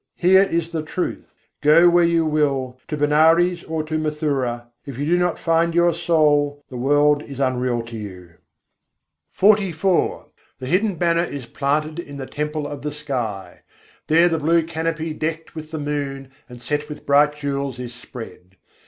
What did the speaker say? Here is the truth! Go where you will, to Benares or to Mathura; if you do not find your soul, the world is unreal to you. XLIV I. 93. gagan math gaib nisân gade The Hidden Banner is planted in the temple of the sky; there the blue canopy decked with the moon and set with bright jewels is spread.